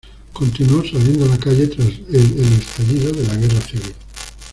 Continuó saliendo a la calle tras el estallido de la Guerra civil.